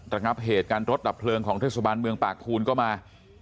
ระงับเหตุการณ์รถดับเพลิงของเทศบาลเมืองปากภูนก็มา